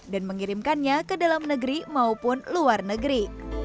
dan mengirimkannya ke dalam negeri maupun luar negeri